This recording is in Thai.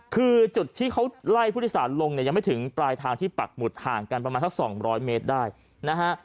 คือจุดที่เขาไล่ผู้โดยสารลงเนี่ยยังไม่ถึงปลายทางที่ปักหมุดห่างกันประมาณสัก๒๐๐เมตรได้นะฮะ